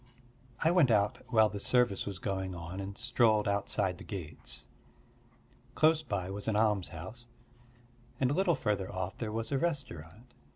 I went out while the service was going on and strolled outside the gates. Close by was an almshouse, and a little further off there was a restaurant.